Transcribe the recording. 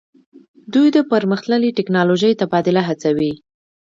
دوی د پرمختللې ټیکنالوژۍ تبادله هڅوي